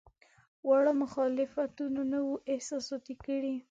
وړو مخالفتونو نه وو احساساتي کړی.